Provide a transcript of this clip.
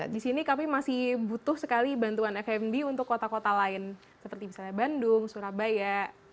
di sini kami masih butuh sekali bantuan fmb untuk kota kota lain seperti misalnya bandung surabaya